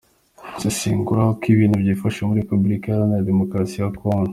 -Gusesengura uko ibintu byifashe muri Repubulika iharanira Demokarasi ya Congo